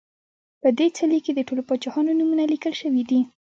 په دې څلي کې د ټولو پاچاهانو نومونه لیکل شوي دي